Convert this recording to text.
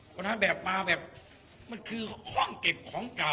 วันนั้นแบบมาแบบมันคือห้องเก็บของเก่า